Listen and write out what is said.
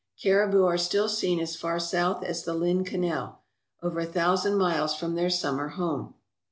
Caribou are still seen as far south as the Lynn Canal, over a thousand miles from their summer home.